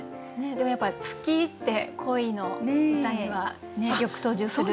でもやっぱり月って恋の歌にはよく登場する。